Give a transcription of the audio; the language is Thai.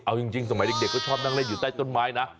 เอาจริงสมัยเด็กก็ชอบนั่งเล่นอยู่ใต้ต้นไม้นะ